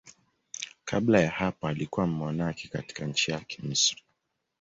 Kabla ya hapo alikuwa mmonaki katika nchi yake, Misri.